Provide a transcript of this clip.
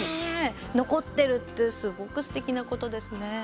残ってるってすごくすてきなことですね。